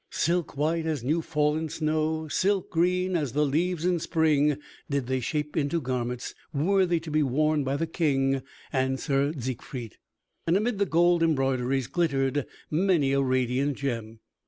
Silk white as new fallen snow, silk green as the leaves in spring did they shape into garments worthy to be worn by the King and Sir Siegfried, and amid the gold embroideries glittered many a radiant gem.